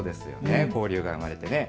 交流が生まれて。